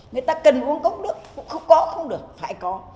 người ta cần uống cốc nước cũng không có cũng không được phải có